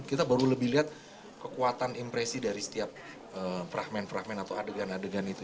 kita baru lebih lihat kekuatan impresi dari setiap fragment fragment atau adegan adegan itu